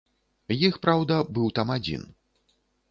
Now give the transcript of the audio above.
Іх, праўда, быў там адзін.